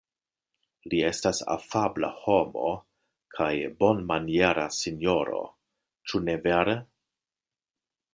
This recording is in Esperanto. Li estas afabla homo kaj bonmaniera sinjoro, ĉu ne vere?